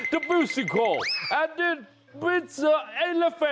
ทุกคนค่ะทุกคนค่ะทุกคนค่ะทุกคนค่ะ